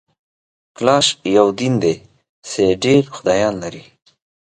کلاش یو دین دی چي ډېر خدایان لري